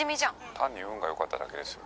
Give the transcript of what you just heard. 「単に運が良かっただけですよ」